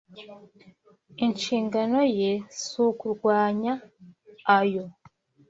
Inshingano ye si ukurwanya ayo